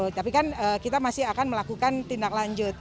tapi kan kita masih akan melakukan tindak lanjut